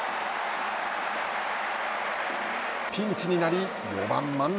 ピンチになり４番万波。